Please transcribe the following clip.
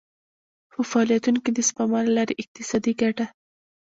په فعالیتونو کې د سپما له لارې اقتصادي ګټه.